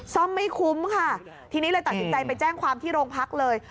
ซ่อมไม่คุ้มค่ะทีนี้เลยตัดสินใจไปแจ้งความที่โรงพักเลย